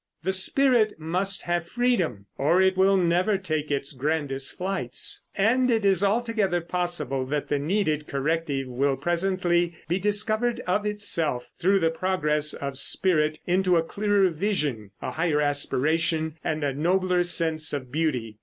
The spirit must have freedom, or it will never take its grandest flights. And it is altogether possible that the needed corrective will presently be discovered of itself, through the progress of spirit into a clearer vision, a higher aspiration and a nobler sense of beauty.